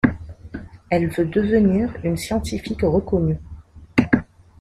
Elle veut devenir une scientifique reconnue.